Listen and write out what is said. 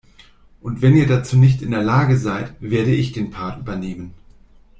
Und wenn ihr dazu nicht in der Lage seid, werde ich den Part übernehmen.